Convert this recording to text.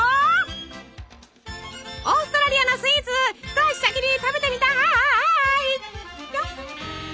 オーストラリアのスイーツ一足先に食べてみたい！